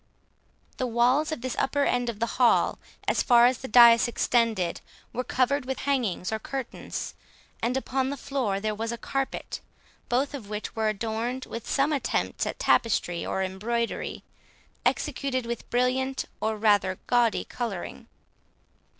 The walls of this upper end of the hall, as far as the dais extended, were covered with hangings or curtains, and upon the floor there was a carpet, both of which were adorned with some attempts at tapestry, or embroidery, executed with brilliant or rather gaudy colouring.